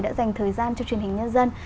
đã dành thời gian cho truyền hình nhân dân